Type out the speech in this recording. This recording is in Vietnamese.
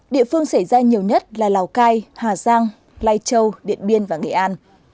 địa phương xảy ra nhiều nhất là lào cai hà giang lai châu điện biên và nghệ an